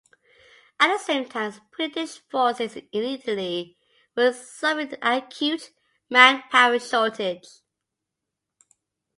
At the same time British forces in Italy were suffering an acute manpower shortage.